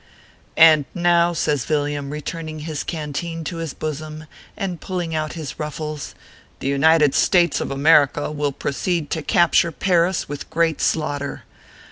" And now," says Villiam, returning his canteen to his bosom and pulling out his ruffles, " the United States of America will proceed to capture Paris with ORPHEUS C. KERR PAPERS. great slaughter.